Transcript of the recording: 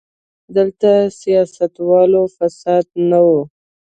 دلته سیاستوال فاسد نه وو.